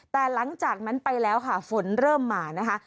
แต่หลังจากนั้นไปแล้วค่ะฝนเริ่มมานะคะ